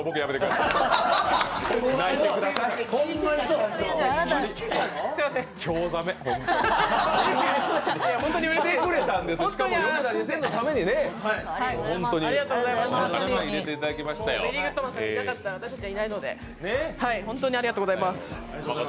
ベリーグッドマンさんがいなかったら私たちいないので本当にありがとうございます。